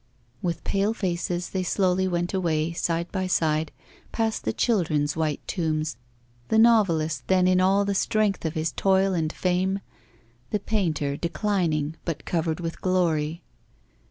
With pale faces, they slowly went away, side by side, past the children's white tombs, the novelist then in all the strength of his toil and fame, the painter declining but covered with glory.